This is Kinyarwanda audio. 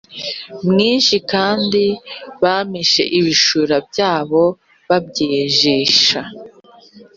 mwinshi kandi bameshe ibishura byabo babyejesha